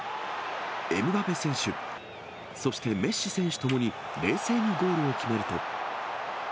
エムバペ選手、そしてメッシ選手ともに冷静にゴールを決めると。